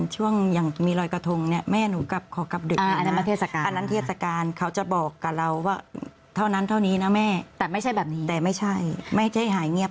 ตอนไหนจะดึกก็คือช่วงมีรอยกะทงเนี่ย